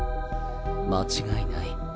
間違いない。